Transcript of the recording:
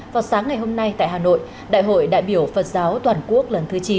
vào sáng ngày hôm nay tại hà nội đại hội đại biểu phật giáo toàn quốc lần thứ chín